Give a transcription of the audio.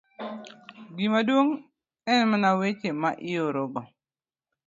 Gima duong' en mana weche ma iorogo